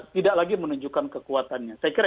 tidak lagi menunjukkan kekuatannya saya kira